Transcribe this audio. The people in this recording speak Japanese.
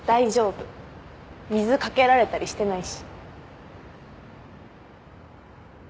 水かけられたりしてないし。